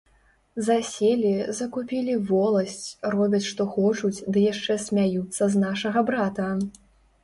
Заселі, закупілі воласць, робяць што хочуць, ды яшчэ смяюцца з нашага брата.